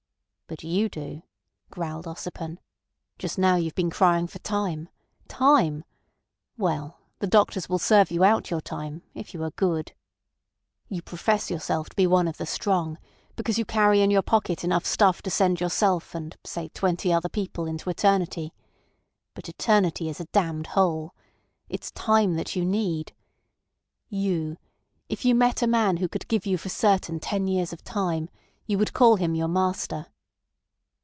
"But you do," growled Ossipon. "Just now you've been crying for time—time. Well. The doctors will serve you out your time—if you are good. You profess yourself to be one of the strong—because you carry in your pocket enough stuff to send yourself and, say, twenty other people into eternity. But eternity is a damned hole. It's time that you need. You—if you met a man who could give you for certain ten years of time, you would call him your master."